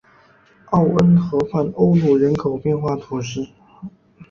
奥恩河畔欧努人口变化图示